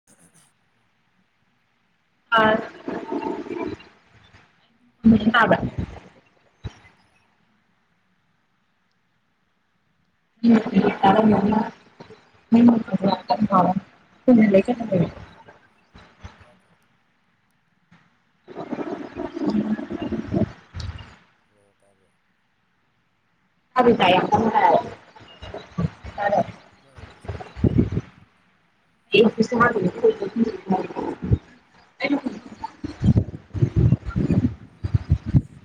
ꯑꯣ ꯑꯥ ꯇ ꯇꯣꯡ ꯇꯥꯏ ꯇꯥꯏ ꯇꯥꯏ ꯇꯥꯏ ꯇꯔ ꯇꯥꯏ ꯂꯩ ꯀ ꯇꯥꯗ꯭ꯔꯣ [unintelligible] ꯊꯣꯛꯪꯂꯛꯑꯣ ꯇꯥꯕ꯭ꯔꯣ ꯑꯔ [unintelligible] [inaudible] ꯅꯏꯕꯤ ꯁꯥꯗ꯭ꯔꯕꯨ [unintelligible]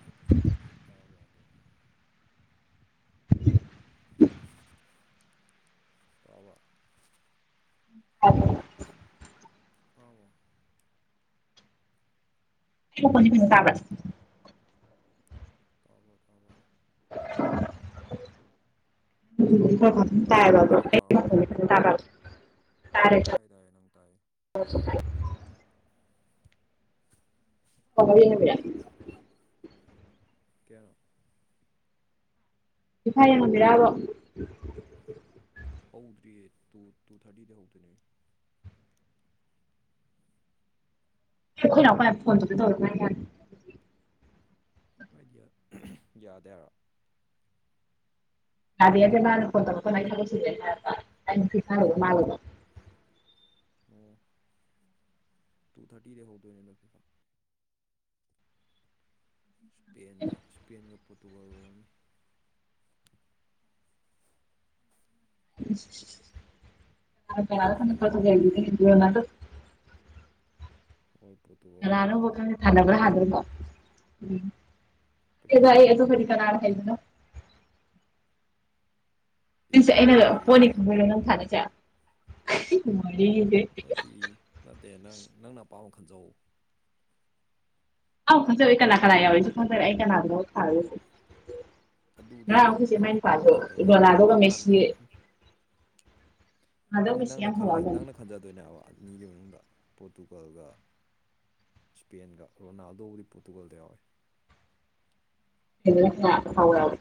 ꯑꯦꯄꯤꯁꯊꯣꯛꯀꯦ ꯇꯥꯔꯕ꯭ꯔꯥꯗꯣ ꯇꯕ ꯑ [unintelligible] ꯇꯕꯣ ꯣꯏ ꯐꯩꯅꯅ ꯇꯥꯕ [unintelligible] ꯇꯕ ꯇꯥꯕ [unintelligible] ꯇꯥꯏꯕ ꯇ ꯃꯈꯣꯟ ꯇꯥꯔꯕꯣ ꯇꯔ ꯇꯥꯏ ꯇꯥꯏ ꯅꯪ ꯇꯥꯏꯌꯦ ꯇꯥꯏ ꯅꯪꯕꯨꯗꯤ [unintelligible] ꯍꯅꯕꯤꯔ ꯀꯦꯔꯣ ꯐꯥꯏꯌꯦꯡ ꯉꯪꯗ꯭ꯔꯕꯣ ꯍꯧꯗ꯭ꯔꯤꯌꯦ ꯇꯨ ꯇꯨ ꯊꯥꯔꯇꯤꯗꯩ ꯍꯧꯗꯣꯏꯅꯦ ꯑꯩꯣꯏꯔꯣꯏ ꯐꯣꯟ ꯇ ꯍꯥꯏꯗꯤꯌꯥ ꯌꯥꯗꯦꯔꯣ ꯑꯗꯗꯤ ꯌꯥꯗꯦ ꯃꯥꯅ ꯈꯣꯟꯇ ꯂꯩ ꯍꯥꯏ ꯊꯕꯣꯏ ꯁꯤꯦ ꯍꯥꯏ ꯇꯥꯏ ꯈꯔ ꯃꯥꯜꯣ ꯑꯣ ꯇꯨ ꯊꯥꯔꯇꯤꯗ ꯍꯧꯗꯣꯏꯅꯦꯅꯣ ꯐꯤꯐꯝ ꯁꯄꯦꯟꯒ ꯁ꯭ꯄꯦꯟꯒ ꯄꯣꯔꯇꯨꯒꯥꯜ ꯑꯣꯏꯔꯝꯅꯤ ꯄꯩꯁꯥ ꯊꯥꯅꯁꯤꯔꯣ [unintelligible] ꯑꯣꯏ ꯄꯠꯇꯣ ꯀꯅꯥꯅꯣꯕꯣ ꯁꯥꯅꯕꯅ ꯍꯥꯟꯗꯣꯢꯅꯤ ꯄꯩꯁꯥ ꯈꯪꯗꯦꯗ ꯑꯩ ꯊꯥꯅꯁꯤꯔꯕ ꯑꯗꯨꯕꯨꯗꯤ ꯀꯅꯥ ꯍꯩꯕꯅꯣ ꯑꯦ ꯁꯤꯁꯦ ꯁꯨꯝ ꯑꯩꯅ ꯗꯥꯎ ꯌꯦꯡꯕ ꯄꯣꯠꯅꯤ ꯑꯣꯏꯅ ꯈꯪꯕꯣꯏꯔꯣ ꯅꯪ ꯊꯥꯅꯁꯦ ꯋꯥꯔꯤꯁꯦ ꯅꯠꯇꯦ ꯅꯠꯇꯦ ꯅꯪ ꯅꯪꯅ ꯑꯄꯥꯝꯕꯃ ꯈꯟꯖꯧ ꯑꯧ ꯈꯪꯖꯔꯦ ꯀꯅꯥ ꯀꯅꯥ ꯌꯥꯎꯔꯁꯨ ꯈꯪꯖꯔꯦ ꯑꯩ ꯀꯅꯥꯒꯅ ꯊꯥꯗꯣꯢꯁꯦ ꯉꯔꯥꯡ ꯑꯗꯨꯗꯅꯦ ꯑꯈꯣꯢ ꯆꯦ ꯃꯥꯢ ꯅꯪꯅ ꯑꯄꯥꯝꯕ ꯅꯨꯄꯥꯗꯣ ꯈꯟꯖꯧ ꯍꯥꯏꯁꯦ ꯔꯣꯅꯥꯜꯗꯣ ꯅꯪ ꯍꯥꯟꯅ ꯃꯦꯁꯤ ꯈꯟ ꯍꯥꯏꯗꯤ ꯅꯪꯅ ꯌꯥꯝ ꯈꯜꯂ ꯍꯧꯔꯛꯑꯝꯕꯅꯤ ꯅꯪꯅ ꯈꯟꯖꯗꯣꯏꯅꯦꯕ ꯑꯅꯤꯒꯤ ꯃꯅꯨꯡꯗ ꯄꯣꯔꯇꯨꯒꯜꯒ ꯁ꯭ꯄꯦꯟꯒ ꯔꯣꯅꯥꯜꯗꯣꯕꯨꯗꯤ ꯄꯣꯔꯇꯨꯒꯜꯗ ꯌꯥꯎꯋꯦ [unintelligible] ꯐꯥꯎꯕ ꯌꯥꯎꯏ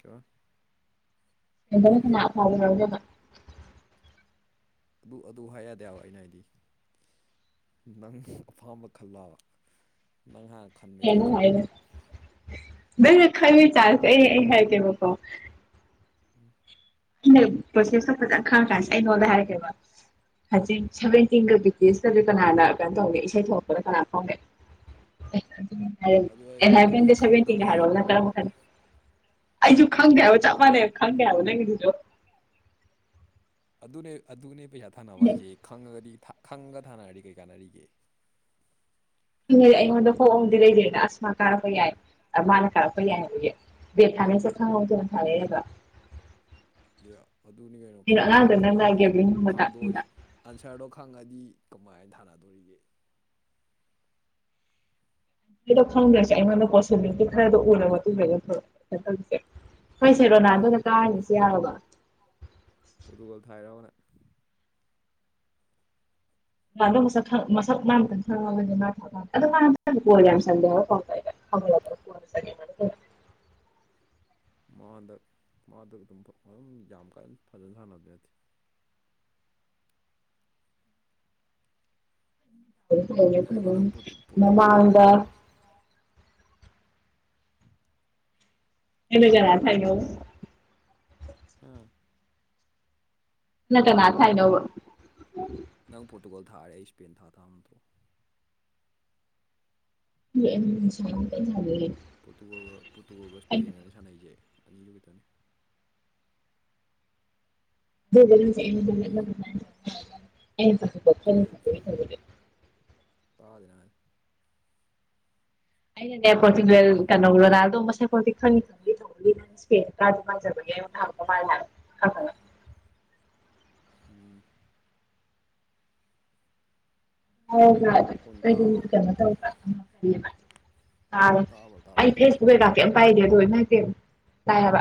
ꯀ ꯑꯦꯅꯥ ꯐꯥꯎ [unintelligible] ꯑꯗꯨ ꯑꯗꯨ ꯍꯥꯏ ꯌꯥꯗꯦꯕ ꯑꯩꯅ ꯍꯥꯏꯗꯤ ꯅꯪ ꯑꯄꯥꯝꯕ ꯈꯜꯂꯕ ꯅꯪ ꯍꯥꯟ ꯍꯦꯅ ꯍꯥꯏꯔꯦ ꯅꯪꯅ ꯈꯪꯉ ꯇꯥꯔꯁꯦ ꯑꯩ ꯑꯩ ꯍꯥꯏꯒꯦꯕꯀꯣ ꯂꯩ ꯄ꯭ꯔꯣꯁꯦꯁꯇ ꯐꯖꯅ ꯈꯡ ꯀꯥꯟꯗ ꯑꯩ ꯅꯉꯣꯟꯗ ꯍꯥꯏꯔꯛꯀꯦꯕ ꯍꯧꯖꯤꯛ ꯁꯚꯦꯟꯇꯤꯟꯒ ꯕꯤ ꯇꯤ ꯑꯦꯁ ꯀ ꯀꯅꯥꯅ ꯀꯩꯅꯣ ꯇꯧꯒꯦ ꯏꯁꯩ ꯊꯣꯛꯂꯛꯄꯗ ꯀꯅꯥ ꯐꯥꯎꯅꯤ ꯑꯦ ꯑꯗꯨ ꯑꯩ ꯑꯗꯨ ꯑꯩ ꯑꯦꯅꯥꯢꯟꯇꯤꯟꯒ ꯁꯚꯦꯟꯇꯤꯟꯒ ꯈꯪꯗꯕꯩ ꯍꯥꯢꯔꯛꯎ ꯅꯪ ꯀꯔꯝꯕ ꯈꯟꯅꯤ ꯑꯩꯁꯨ ꯈꯪꯗꯦꯕ ꯆꯄ ꯃꯥꯅꯩꯕ ꯈꯪꯗꯦꯕ ꯅꯪ ꯒꯤꯗꯨ ꯑꯗꯨꯅꯦ ꯑꯗꯨꯅꯦ ꯄꯩꯁꯥ ꯊꯥ ꯅꯕ ꯑꯩꯅ ꯍꯥꯢꯖꯦ ꯈꯪꯉꯗꯤ ꯈꯪꯉꯒ ꯊꯥꯅꯔꯗꯤ ꯀꯩ ꯀꯥꯟꯅꯔꯤꯒꯦ ꯅꯦ ꯑꯩꯉꯣꯟꯗ ꯍꯣꯞ ꯑꯃꯗꯤ ꯂꯩꯗꯅ ꯃ ꯀꯥꯔꯛꯄ ꯌꯥꯏ ꯃꯥꯅ ꯀꯥꯔꯛꯄ ꯌꯥꯏ ꯍꯥꯏꯕꯒꯤ ꯕꯦꯗ ꯊꯥꯅꯩꯁꯦ ꯈꯪꯍꯧꯗꯅ ꯊꯥꯅꯩ ꯅꯇꯣ ꯑꯗꯨꯅꯤ ꯀꯩꯅꯣ ꯈꯪꯗꯕꯤ ꯑꯉꯥꯡꯗ ꯅꯪꯅ ꯊꯥꯅꯕ ꯍꯥꯏꯁꯦ ꯒꯦꯕ꯭ꯂꯤꯡꯒꯨꯝꯕ ꯈꯪꯗꯣꯛꯑꯗꯤ ꯇꯥꯛꯄꯤꯕ ꯑꯟꯁꯔꯗꯣ ꯈꯪꯉꯗꯤ ꯀꯃꯥꯏꯅ ꯊꯥꯅꯗꯣꯔꯤꯒꯦ ꯀꯗꯣ ꯈꯪꯗ꯭ꯔꯁꯦ ꯑꯩꯉꯣꯟꯗ ꯄꯣꯁꯤꯕꯤꯂꯤꯇꯤ ꯈꯔꯗꯣ ꯎꯔ ꯃꯇꯨꯡꯗ ꯅꯇꯣ ꯀꯩꯅꯣ ꯇꯧꯔꯤꯁꯦ ꯍꯣꯏꯁꯦ ꯔꯣꯅꯥꯜꯗꯣꯅ ꯀꯥꯔꯅꯤꯁꯦ ꯌꯥꯔꯕꯣ ꯄꯣꯗꯨꯨꯒꯜ ꯊꯥꯏꯔꯕ ꯅꯪ ꯔꯣꯅꯥꯜꯗꯣ ꯃꯁꯛ ꯈꯪꯉ ꯃꯁꯛ ꯃꯥ ꯃꯊꯟ ꯈꯪꯉꯕꯅꯦ ꯑꯗꯣ ꯃꯥ ꯍꯟꯗꯛ ꯈꯪꯗꯦ ꯒꯣꯜ ꯌꯥꯝ ꯆꯜꯂꯦ ꯄꯥꯎ ꯇꯥꯢꯗ ꯃꯥ ꯍꯟꯗꯛ ꯃꯥꯗ ꯑꯗꯨꯝ ꯑꯗꯨꯝ ꯌꯥꯝ ꯀꯟꯅ ꯐꯖꯅ ꯁꯥꯟꯅꯕꯗꯤ ꯅꯠꯇꯦ ꯌꯥꯏꯀꯣ ꯅꯪ ꯄꯣꯔꯇꯨ- ꯄꯣꯔꯇꯨꯒꯜ ꯃꯃꯥꯡꯗ ꯊꯥꯔꯦꯀꯣ ꯅꯪꯅ ꯀꯅꯥ ꯊꯥꯏꯅꯣ ꯎꯝ ꯅꯪ ꯀꯅꯥ ꯊꯥꯏꯅꯣꯕ ꯅꯪ ꯄꯣꯔꯇꯨꯒꯥꯜ ꯊꯥꯔꯦ ꯑꯩ ꯏꯁꯄꯦꯟ ꯊꯥ ꯊꯥ ꯇꯥꯕ ꯅꯠꯇ꯭ꯔꯣ [unintelligible] ꯄꯣꯠꯇꯨꯒ ꯄꯣꯠꯇꯨꯒꯜ ꯏꯁꯄꯦꯟꯒꯅꯤ ꯁꯥꯟꯅꯩꯁꯦ ꯑꯅꯤꯗꯨ ꯈꯛꯇꯅꯦ [unintelligible] ꯑꯣꯒꯦ ꯒꯦ ꯇꯥꯗꯦ ꯅꯪ ꯍꯥꯢꯗꯣ ꯑꯩꯅꯅꯦ ꯄꯣꯔꯇꯩꯒꯜ ꯀꯩꯅꯣ ꯔꯣꯅꯥꯥꯜꯗꯣ ꯃꯁꯛ ꯄꯣꯛꯇꯤ ꯈꯪꯉꯤ [unintelligible] ꯀꯖꯨ ꯀꯖꯕꯒꯤ ꯍꯪꯕ ꯃꯥꯂꯦ ꯈꯪ ꯈꯪꯅ ꯎꯝ ꯃꯈꯣꯟ [unintelligible] ꯇꯥꯕ꯭ꯔꯥ ꯀꯩꯅꯣ ꯇꯧꯕ [unintelligible] ꯥ ꯇꯥꯕ꯭ꯔꯥ [unintelligible] ꯇꯥꯕ꯭ꯔꯥ ꯑꯩ ꯑꯩꯅ ꯍꯥꯏꯁꯦ ꯐꯦꯁꯕꯨꯛ ꯀꯩꯀ ꯀꯩꯝ ꯄꯥꯏꯗꯦ ꯑꯗꯨ ꯏꯃꯥꯢꯄꯦꯃ ꯄꯥꯢꯍꯥꯢꯕ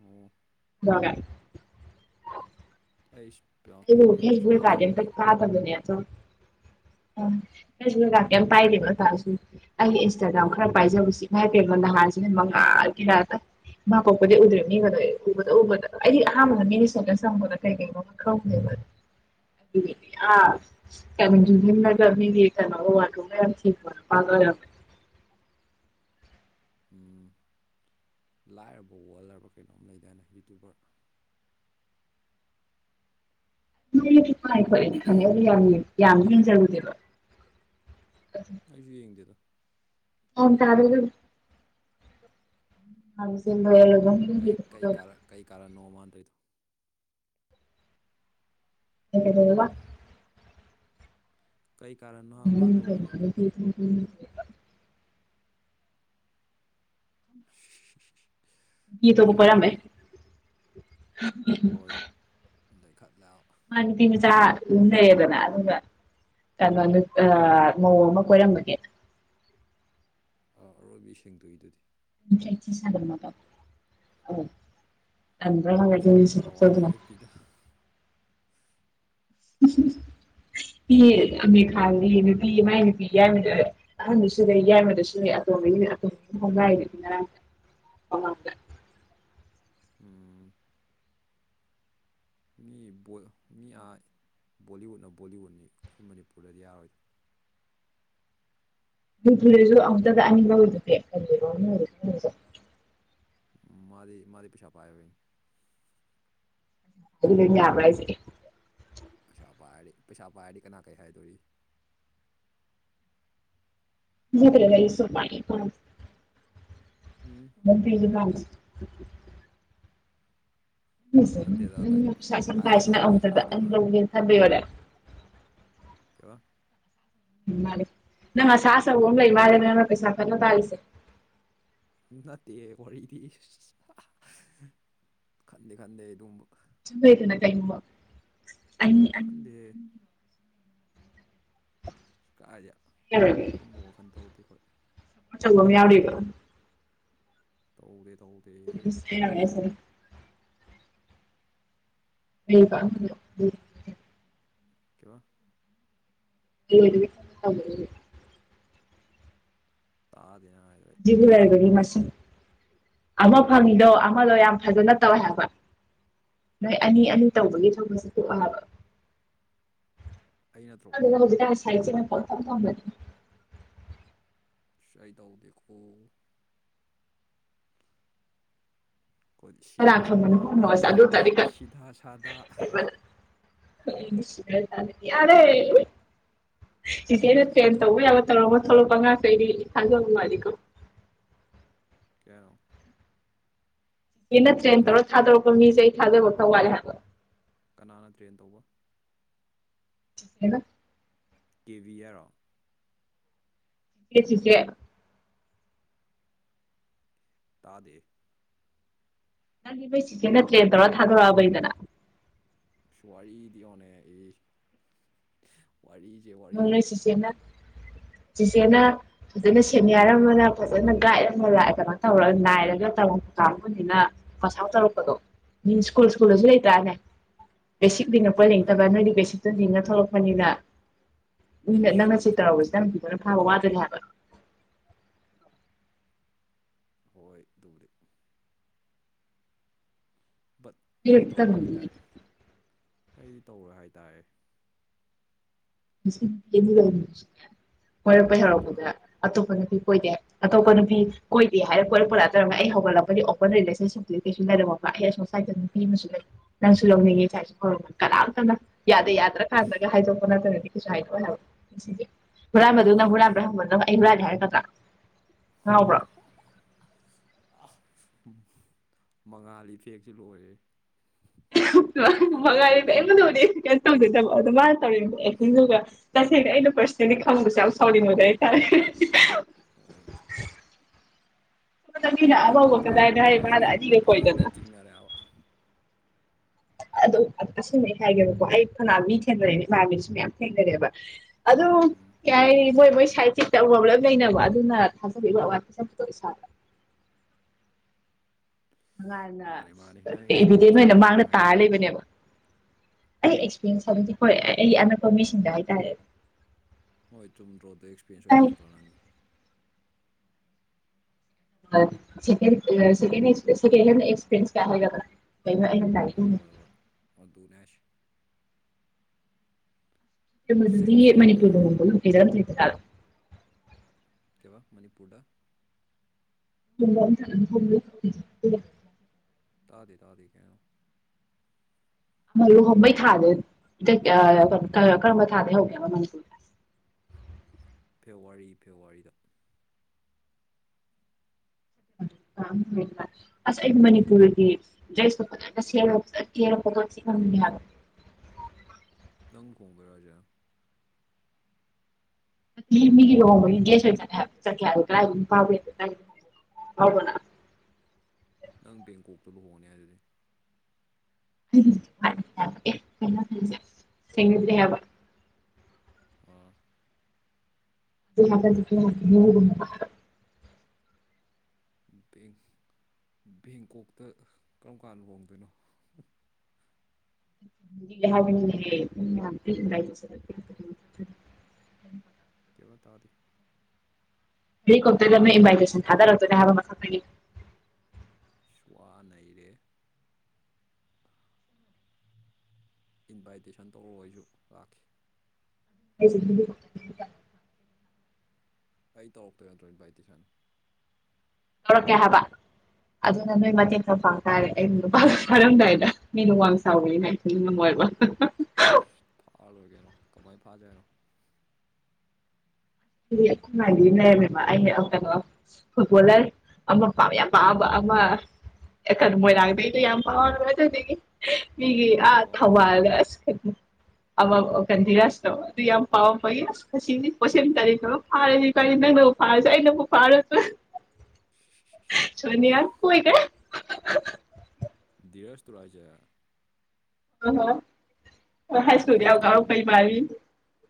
ꯑꯣ ꯀꯩꯗꯧꯔꯒꯦ ꯑꯁ ꯄꯦ ꯑꯩꯦꯕꯨ ꯀꯥꯖꯝꯇ ꯀꯥ ꯇ ꯗꯨꯅꯌꯥ ꯆ ꯑ ꯀꯩ ꯀꯥꯀꯦꯦꯝ ꯄꯥꯏꯗꯕ ꯆꯥꯁꯨ ꯑꯩꯒꯤ ꯏꯟꯁꯇꯥꯒ꯭ꯔꯥꯝ ꯈꯔ ꯄꯥꯏꯖꯕꯁꯤꯚ ꯄꯦꯝꯃ ꯅꯍꯥꯟꯁꯤꯅ ꯃꯉꯥꯜꯒꯤꯔ ꯃꯥ ꯀꯣꯛꯄꯗꯤ ꯎꯗ꯭ꯔꯦ ꯃꯤꯒꯗꯣ ꯎꯝ ꯎꯕꯗ ꯎꯕꯗ ꯑꯩꯗꯤ ꯑꯍꯥꯟꯕꯗ ꯃꯤꯅ ꯁꯣꯗꯅ ꯆꯪꯕꯗ ꯀꯩ ꯀꯩꯅꯣ ꯥ ꯎꯝ [unintelligible] ꯀꯒ ꯌꯦ ꯀꯅ ꯋꯥ ꯌꯥꯝ ꯊꯔ ꯄꯦ ꯎꯝ ꯂꯥꯏꯔꯕ ꯋꯥꯜꯂ ꯍꯥꯏꯕꯔꯥ ꯀꯩꯅꯣꯝ ꯂꯩꯗꯥꯅꯦ ꯌꯨꯇ꯭ꯌꯨꯕꯔ ꯃꯣꯏ ꯌꯨꯇ꯭ꯌꯨꯕ ꯄꯥꯏ ꯈꯣꯠꯂꯦꯗꯤ ꯈꯪꯉꯦ ꯑꯗꯨ ꯌꯥꯝ ꯌꯥꯝ ꯌꯦꯡꯖꯔꯨꯗꯦꯕ ꯑꯩꯖꯨ ꯌꯦꯡꯗꯦꯗ [unintelligible] ꯀꯩ ꯀꯩ [unintelligible] ꯀꯥꯔ ꯀꯩ ꯀꯥꯔꯟꯅꯣ ꯃꯥꯟ ꯇꯧꯔꯤꯗꯣ ꯀꯩ ꯀꯩꯗꯧꯔꯕ ꯀꯩ ꯀꯔꯟꯅꯣ [unintelligible] [unintelligible] ꯅꯨꯄꯤ ꯑꯇꯣꯞꯄ ꯀꯣꯏꯔꯝꯕꯩ ꯂꯩꯈꯠꯂꯦ ꯍꯣꯏ ꯂꯩꯈꯠꯂꯦꯕ ꯃꯥ ꯅꯨꯄꯤ ꯃꯆꯥ [unintelligible] ꯂꯩꯔꯦꯗꯅ ꯑꯗꯨꯒ ꯀꯩꯅꯣꯅꯤ ꯑꯥ ꯃꯧ ꯑꯃ ꯀꯣꯏꯔꯝꯕꯒꯤ ꯑꯥ ꯑꯔꯣꯏꯕꯤ ꯁꯦꯡꯗꯣꯛꯏꯗꯨꯗꯤ [unintelligible] ꯄꯤꯗꯥ ꯍꯣꯏ ꯃꯤ ꯑꯃꯤꯔ ꯈꯥꯟꯗꯤ ꯅꯨꯄꯤ ꯃꯥꯏ ꯅꯨꯄꯤ ꯌꯥꯏꯃꯒ ꯑꯍꯥꯟꯗꯨꯁꯨ ꯂꯩ ꯌꯥꯏꯃꯗꯁꯨ ꯂꯩ ꯑꯇꯣꯝꯕꯤꯒ ꯍꯣꯡꯒꯥꯏꯔꯤꯅꯤ ꯉꯔꯥꯡ ꯃꯃꯥꯡꯗ ꯎꯝ ꯃꯤ ꯃꯤ ꯑꯥ ꯕꯣꯂꯤꯋꯨꯠꯅ ꯕꯣꯂꯤꯋꯨꯠꯅꯤ ꯑꯩꯈꯣꯏ ꯃꯅꯤꯄꯨꯔꯗꯗꯤ ꯌꯥꯔꯣꯏꯗ ꯃꯅꯤꯄꯨꯔꯗꯖꯨ ꯑꯃꯨꯛꯇꯗ ꯑꯅꯤ ꯂꯧꯔꯤꯗꯨꯗꯤ [unintelligible] ꯃꯥꯗꯤ ꯃꯗꯤ ꯄꯩꯁꯥ ꯄꯥꯏꯕꯩꯅꯤ ꯑꯗꯨ ꯂꯣꯏꯟ ꯌꯕꯔꯥ ꯍꯥꯏꯁꯦ ꯄꯩꯁꯥ ꯄꯥꯏꯔꯗꯤ ꯄꯩꯁꯥ ꯄꯥꯏꯔꯗꯤ ꯀꯅꯥ ꯀꯔꯤ ꯍꯥꯏꯗꯣꯔꯤ [unintelligible] ꯎꯝ ꯃꯌꯥꯝ ꯄꯤꯔꯖꯨ ꯄꯥꯝꯗꯦ [unintelligible] ꯅꯠꯇꯦꯗ ꯂꯥꯏꯛ ꯄꯩꯁꯥ ꯑꯁꯨꯛꯌꯥꯝ ꯄꯥꯏꯔꯤꯁꯤꯅ ꯍꯥꯏꯒꯗꯕ ꯃꯤꯁꯤꯡ ꯑꯃꯨꯛꯇꯥ ꯍꯥꯏꯗꯣꯏ ꯑꯅꯤ ꯋꯥꯅꯤ ꯂꯧꯒꯦ ꯈꯟꯕꯩ ꯑꯣꯏꯔꯦ ꯀꯩꯕ ꯅꯪ ꯑꯁꯥ ꯑꯆꯧꯕ ꯑꯃ ꯂꯩꯕ ꯃꯥꯜꯂꯤ ꯅꯪꯅ ꯄꯩꯁꯥ ꯀꯥꯟꯅ ꯇꯥꯜꯂꯤꯁꯤ ꯅꯠꯇꯦ ꯋꯥꯔꯤꯗꯤ ꯈꯟꯗꯦ ꯈꯟꯗꯦ ꯑꯗꯨꯒꯨꯝꯕ ꯁꯨꯝ ꯂꯩꯗꯅ ꯀꯩ ꯒꯨꯝꯕ ꯈꯟꯗꯦꯍꯦ ꯀꯥꯏꯗꯩ ꯌꯥꯔꯣꯏꯕ ꯑꯗꯨꯒꯨꯝꯕ ꯋꯥꯈꯟ ꯇꯧꯗꯦ ꯑꯩꯈꯣꯏ [unintelligible] ꯌꯥꯎꯔꯤꯕ ꯇꯧꯗꯦ ꯇꯧ [unintelligible] [unintelligible] ꯀꯩꯕ [unintelligible] ꯇꯥꯗꯦ ꯅꯪ ꯍꯥꯏꯗꯣ ꯑꯩ ꯖꯤꯕꯨ ꯂꯩꯔꯕꯗꯤ ꯃꯁꯤꯡ ꯑꯃ ꯐꯪꯉꯤꯗꯣ ꯑꯃꯗꯣ ꯌꯥꯝ ꯐꯖꯅ ꯇꯧꯋꯦ ꯍꯥꯏꯕ ꯅꯣꯏ ꯍꯣꯏ ꯑꯅꯤ-ꯑꯅꯤ ꯇꯧꯕꯒꯤ ꯊꯕꯛꯁꯦ ꯇ‌ꯣꯛꯑꯣ ꯍꯥꯏꯕ ꯑꯩ ꯅꯠꯇ꯭ꯔꯣ ꯈꯪꯗ‌ꯦꯗ ꯍꯧꯖꯤꯛꯀꯟ ꯁꯥꯏꯆꯤꯛꯅ ꯄꯪꯊꯝ ꯊꯝꯕꯅꯤ ꯑꯩ ꯇꯧꯗꯦꯀꯣ ꯑꯩꯈꯣꯏꯗꯤ ꯁꯤꯗꯥ ꯁꯥꯗꯥ ꯁꯤꯗꯥ ꯁꯥꯗꯥ [inaudible] ꯌꯥꯔꯦ ꯆꯤꯆ‌ꯦꯅ ꯀꯩ ꯇ꯭ꯔꯦꯟ ꯇꯧꯕ ꯋꯥꯔꯤꯅꯣ ꯌꯥꯕ ꯇꯧꯔꯝꯃꯒ ꯊꯣꯛꯂꯛꯄ ꯑꯉꯥꯡꯈꯩꯗꯤ ꯊꯥꯖꯕ ꯋꯥꯠꯂꯤꯀꯣ ꯀꯩꯍꯥꯏꯅ‌ꯣ ꯆ‌ꯦꯅ ꯇ꯭ꯔꯦꯟ ꯀꯩ ꯇꯧꯔꯒ ꯊꯥꯗꯣꯔꯛꯄ ꯃꯤꯁꯦ ꯑꯩ ꯊꯥꯖꯕ ꯈꯔ ꯋꯥꯠꯂ‌ꯦ ꯍꯥꯏꯕ ꯀꯅꯥꯅ ꯇ꯭ꯔꯦꯟ ꯇꯧꯕ ꯆꯤꯆ‌ꯦꯅ ꯀꯦꯕꯤ ꯍꯥꯏꯔ‌ꯣ ꯀꯦ ꯆꯤꯆ‌ꯦ ꯇꯥꯗꯦ ꯅꯪꯗꯤ ꯅ‌ꯣꯏ ꯆꯤꯆ‌ꯦꯅ ꯇ꯭ꯔꯦꯟ ꯇꯧꯔꯒ ꯊꯥꯗꯣꯔꯛꯑꯕꯅꯤꯗꯅ ꯑꯁ ꯋꯥꯔꯤꯗꯤ ꯌ‌ꯦꯡꯉꫭꯅ‌ꯦ ꯏꯁ ꯋꯥꯔꯤ ꯅ‌ꯣꯏ ꯆꯤꯆ‌ꯦꯅ ꯆꯤꯆ‌ꯦꯅ ꯐꯖꯅ ꯁꯦꯅꯤꯌꯥꯔ ꯑꯃꯅ ꯐꯖꯅ ꯒꯥꯏꯗ ꯑꯃ ꯀꯩꯅꯣ ꯇꯧꯔꯒ ꯅꯥꯏꯔꯒ ꯇꯧꯕ ꯀꯥꯡꯕꯨꯅꯤꯅ ꯄꯥꯁ ꯑꯥꯎꯠ ꯇꯧꯔꯛꯄꯗꯣ ꯃꯤ ꯁ꯭ꯀꯨꯜ ꯁ꯭ꯀꯨꯜꯗꯁꯨ ꯂꯩꯇ꯭ꯔꯅꯦ ꯕꯦꯁꯤꯛ ꯂꯤꯡꯉꯛꯄ ꯍꯣꯏ ꯂꯤꯡꯉꯛꯇꯕ ꯅꯣꯏꯗꯤ ꯕꯦꯁꯤꯛꯇꯨ ꯂꯤꯡꯉ ꯊꯣꯛꯂꯛꯄꯅꯤꯅ ꯃꯤ ꯅꯪꯅ ꯁ꯭ꯀꯨꯜ ꯆꯤꯠ ꯁ꯭ꯀꯨꯜ ꯇꯧꯔꯕꯁꯨ ꯅꯪ ꯅꯨꯄꯤꯗꯨꯅ ꯐꯥꯕ ꯋꯥꯗꯨꯅꯦ ꯍꯥꯏꯕ ꯍꯣꯏ ꯑꯗꯨꯕꯨꯗꯤ ꯕꯠ ꯅꯣꯏ ꯑꯩꯗꯤ ꯇꯧꯔꯦ ꯑꯝꯇꯪꯗꯤ ꯅꯨꯄꯤ ꯍꯥꯏꯇꯥꯔꯦ ꯑꯩꯗꯤ ꯇꯧꯔꯦ ꯍꯥꯏꯇꯥꯔꯦ ꯋꯔꯛꯄꯩ ꯀꯩꯕ ꯍꯧꯔꯛꯄꯗ ꯑꯇꯣꯞꯄ ꯅꯨꯄꯤ ꯀꯣꯏꯗꯦ꯫ ꯑꯇꯣꯞꯄ ꯅꯨꯄꯤ ꯀꯣꯏꯗꯦ ꯍꯥꯏꯔꯒ ꯀꯣꯏꯔꯛꯄꯂꯠꯇꯔ ꯑꯩ ꯍꯧꯒꯠꯂꯛꯄꯗꯤ ꯑꯣꯄꯟ ꯔꯤꯂꯦꯁꯟꯁꯤꯞꯇꯗꯤ ꯀꯩꯁꯨ ꯂꯩꯔꯝꯄ ꯑꯩ ꯑꯁ ꯃꯤ ꯑꯃꯁꯨ ꯂꯩ ꯅꯪꯁꯨ ꯂꯧꯅꯤꯡꯉꯦ ꯏꯁꯥꯏꯁꯨ ꯈꯔꯅꯤ ꯀꯅꯥꯝꯇꯅ ꯌꯥꯗ ꯌꯥꯗ꯭ꯔ ꯀꯥꯟꯗꯒ ꯍꯥꯏꯗꯣꯛꯄ ꯅꯠꯇꯅꯗꯤ [unintelligible] ꯍꯨꯔꯥꯟꯕꯗꯨ ꯅꯪ ꯍꯨꯔꯥꯟꯕ꯭ꯔꯥ ꯍꯪꯕꯗ ꯑꯩ ꯍꯨꯔꯥꯜꯂꯤ ꯍꯥꯏꯔꯛꯀꯗ꯭ꯔꯥ ꯉꯥꯎꯕ꯭ꯔ‌ꯣ ꯑ ꯃꯉꯥꯜ ꯏꯐꯦꯛꯁꯤ ꯂꯣꯏꯔꯦꯍ‌ꯦ ꯃꯉꯥꯏꯔꯤ ꯀꯩꯝꯇ ꯇꯧꯗ‌ꯦ ꯀꯩꯝ ꯇꯧꯗ‌ꯦ ꯆꯡꯉꯛꯑꯣ ꯑꯗꯨ ꯃꯥꯅ ꯇꯧꯔꯤꯝ ꯑꯦꯛꯇꯤꯡꯗꯨꯒ ꯇꯁꯦꯡꯅ ꯑꯩꯅ ꯄꯔꯁꯅꯦꯜꯂꯤ ꯈꯪꯕꯁ‌ꯦ ꯌꯥꯝ ꯁꯥꯎꯅꯤꯡꯕꯅ‌ꯦ ꯍꯥꯏꯇꯥꯔꯦ ꯍꯣꯏ ꯃꯤꯅ ꯑꯉꯧꯕ ꯅꯨꯄꯥ ꯀꯗꯥꯏꯗ ꯍꯥꯏ ꯅꯨꯄꯥꯒꯩ ꯃꯥꯅ ꯂꯣꯏ ꯑꯅꯤꯒ ꯅꯨꯄꯥꯒꯩ ꯀꯣꯏꯗꯅ ꯂꯣꯏ ꯆꯤꯡꯅꯔꯦ ꯍꯥꯏꯕ ꯑꯗꯨꯝ ꯑꯁꯨꯝꯃꯥꯏ ꯍꯥꯏꯒꯦꯕꯀꯣ ꯑꯩ ꯐꯅꯥ ꯃꯤ ꯊꯦꯡꯅꯔꯦꯅꯦ ꯏꯃꯥꯟꯕꯤꯁꯨ ꯃꯌꯥꯝ ꯊꯦꯡꯅꯔꯦꯕ ꯑꯗꯨ ꯎꯝ ꯀꯩ ꯍꯥꯏꯅꯤ ꯃꯣꯏ-ꯃ‌ꯣꯏ ꯁꯥꯏꯠ ꯆꯤꯛ ꯌꯥꯝ ꯄ꯭ꯔ‌ꯣꯕ꯭ꯂ‌ꯦꯝ ꯂꯩꯅꯕ ꯑꯗꯨꯅ ꯊꯥꯖꯕ ꯏꯋꯥꯠ ꯋꯥꯠꯄꯖ ꯇꯧꯌ‌ꯦ ꯏꯁꯥꯗ ꯃꯉꯥꯜꯅ ꯃꯥꯅꯤ ꯃꯥꯅꯤ ꯅꯪ ꯏꯕꯤꯗ‌ꯦꯟ ꯑꯦꯛꯁꯄꯤꯔꯦꯟꯁꯇꯨꯅ ꯑꯣꯏꯅ ꯑꯩꯅ ꯃꯥꯡꯗ ꯇꯥꯔ ꯍꯥꯏꯔꯤꯗꯣ ꯂꯩꯕꯅꯦꯕ ꯑꯩ ꯑꯦꯛꯁꯄꯤꯔꯤꯌꯦꯟꯁ ꯍꯥꯏꯕꯗꯤ ꯍ‌ꯣꯏ ꯑꯩ ꯑꯅꯛꯄ ꯃꯤꯁꯤꯡꯗ ꯍꯥꯏꯇꯥꯔꯦ ꯍꯣꯏ ꯆꯨꯝꯗ꯭ꯔꯣ ꯑꯗꯩ ꯑꯦꯛꯁꯄꯤꯔꯦꯟꯁ ꯑꯣꯏꯗꯣꯏ ꯅꯠꯇ꯭ꯔꯣ ꯅꯪꯒꯤ ꯍ‌ꯣꯏ ꯁꯦꯀ‌ꯦꯟ ꯁ‌ꯦꯀ‌ꯦꯟ ꯁꯦꯀ‌ꯦꯟꯍ‌ꯦꯟ ꯑꯦꯛꯁꯄꯤꯔꯤꯟꯁ ꯀꯥꯏ ꯍꯥꯏꯒꯗ꯭ꯔ ꯀꯩꯅ‌ꯣ ꯑꯩꯅ ꯅꯥ ꯍꯣꯏ ꯍꯣꯏ ꯍꯣꯏ ꯑꯗꯨꯅꯦ ꯍꯥꯏꯁ‌ꯦ ꯀꯩꯅꫭꯗꯨꯗꯤ ꯁꯦꯝ ꯁꯦꯝ ꯃꯅꯤꯄꯨꯔ ꯂꯨꯍꫭꯡ [unintelligible] ꯀꯩꯕ ꯃꯅꯤꯄꯨꯔꯗ [unintelligible] ꯇꯥꯗ ꯇꯥꯗꯦ ꯀꯩꯅꯣ ꯂꯨꯍꯣꯡꯕꯩ ꯊꯥꯗ‌ꯣ ꯀꯔꯝꯕ ꯊꯥꯗꯩ ꯍꯧꯒꯦꯕ ꯃꯅꯤꯄꯨꯔ ꯐꯦꯕꯋꯥꯔꯤ ꯐꯦꯕꯋꯥꯔꯤꯗ [unintelligible] ꯑꯁ ꯑꯩ ꯃꯅꯤꯄꯨꯔꯤꯒꯤ ꯗ꯭ꯔꯦꯁꯇꯣ ꯐꯖꯅ ꯁꯦꯠꯂꯒ ꯐꯖꯅ ꯀꯦꯔꯥ ꯐꯣꯇꯣ ꯊꯤ ꯅꯝꯅꯤꯡꯉꯦ ꯍꯥꯏꯕ ꯅꯪ ꯈꯣꯡ ꯈꯔꯖꯦ ꯀꯤ ꯃꯤꯒꯤ ꯂꯨꯋꯣꯡꯕꯒꯤ ꯒꯥꯁ ꯌꯥꯠꯂꯦ ꯍꯥꯏꯕ ꯌꯥꯠꯀꯦ ꯍꯥꯏꯕ ꯀꯔꯥꯏꯗꯥꯏ ꯅꯨꯄꯁꯨ ꯖꯥꯏꯇꯅ ꯀꯔꯥꯏꯗꯥꯏ ꯉꯥꯏꯕꯔ ꯅꯪ ꯅꯪ ꯕꯦꯡꯀꯣꯛꯇ ꯂꯨꯍꯣꯡꯉꯅꯤ ꯍꯥꯏꯗꯨꯗꯤ [unintelligible] ꯁꯦꯡꯅꯗꯦ ꯍꯥꯏꯕ ꯑꯣ [unintelligible] ꯕꯦꯡ ꯕꯦꯡꯀꯣꯛꯇ ꯀꯔꯝ ꯀꯥꯟꯗ ꯂꯨꯍꯣꯡꯗꯣꯏꯅꯣ [unintelligible] ꯀꯦꯕ ꯇꯥꯗꯦ ꯍꯦꯂꯤꯀꯣꯞꯇꯔ ꯗꯒꯤ ꯑꯃ ꯏꯟꯚꯥꯏꯇꯦꯁꯟ ꯊꯥꯗꯔꯛꯇꯣꯏꯅꯦ ꯍꯥꯏꯕ ꯃꯊꯛꯇꯒꯤ ꯁ꯭ꯋꯥ ꯅꯩꯔꯦꯍꯦ ꯏꯟꯚꯥꯏꯇꯦꯁꯟ ꯇꯧꯔꯛ ꯑꯣ ꯑꯩꯁꯨ ꯂꯥꯛꯀꯦ [unintelligible] ꯑꯩ ꯇꯧꯔꯛꯇꯣꯏ ꯅꯠꯗ꯭ꯔꯣ ꯏꯟꯚꯥꯏꯇꯦꯁꯟ ꯇꯧꯔꯛꯀꯦ ꯍꯥꯏꯕ ꯑꯗꯨꯅ ꯅꯣꯏ ꯃꯇꯦꯡ ꯈꯔ ꯄꯥꯡ ꯇꯥꯔꯦ ꯑꯩ ꯅꯨꯄꯥꯁꯨ ꯆꯥꯔꯝꯗꯥꯏꯗ ꯃꯤꯗꯨ ꯋꯥꯡ ꯆꯥꯎꯕꯅꯤꯅ ꯑꯩ ꯌꯥꯝ ꯅꯨꯡꯉꯥꯏꯕ ꯐꯥꯔ ꯂꯣꯏꯔꯦ ꯀꯩꯅꯣ ꯀꯃꯥꯏꯅ ꯐꯥꯖꯦ ꯍꯥꯏꯅꯣ [unintelligible] ꯑꯈꯣꯏ ꯃꯥꯒꯤ ꯑꯃ ꯂꯩꯔꯝꯃꯦꯕ ꯑꯩꯅ ꯑꯥ ꯀꯩꯅꯣ ꯐꯨꯠꯕꯣꯂꯔ ꯑꯃ ꯄꯥꯝ ꯌꯥꯝ ꯄꯥꯝꯕ ꯑꯃ ꯑꯦꯀꯥ ꯃꯣꯏꯔꯥꯡ ꯗꯩꯗꯣ ꯌꯥꯝ ꯄꯥꯝꯃꯦꯕ [unintelligible] ꯃꯤꯒꯤ ꯑ ꯅꯨꯄꯥꯔꯣ ꯍꯥꯏꯁꯦ ꯊꯧꯕꯥꯜꯗ ꯑꯁ ꯈꯥꯪꯗꯦ ꯑ ꯀꯟꯗꯤꯔꯁꯇꯣ ꯑꯗꯨ ꯌꯥꯝ ꯄꯥꯝꯕꯩ [unintelligible] ꯐꯥꯔꯁꯤ ꯀꯩꯅꯣ ꯅꯪꯅꯕꯨ ꯐꯥꯔꯁꯨꯦ ꯑꯩꯅꯕꯨ ꯐꯥꯔꯁꯨ ꯁꯣꯅꯤꯌꯥ ꯀꯣꯏꯗꯦ ꯙꯤꯔꯖ ꯇꯨꯔꯣ ꯍꯥꯏꯁꯦ ꯑ ꯍꯣꯏ ꯍꯥꯏ ꯁ꯭ꯀꯨꯜꯗ ꯌꯥꯝ ꯗꯤꯔꯁꯇꯣ ꯄꯥꯎ ꯉꯥꯎꯔꯛꯄ [unintelligible]